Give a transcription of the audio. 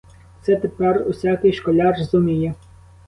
Це тепер усякий школяр зуміє!